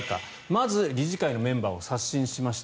まず、理事会のメンバーを刷新しました。